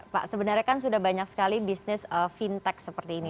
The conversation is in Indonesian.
pak sebenarnya kan sudah banyak sekali bisnis fintech seperti ini